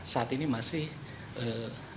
saat ini masih kembali